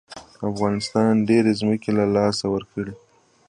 افغانستان ډېرې ځمکې له لاسه ورکړې.